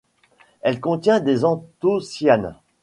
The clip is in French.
Elle contient des anthocyanes.